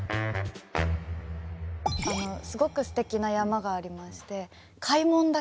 すごくすてきな山がありまして開聞岳。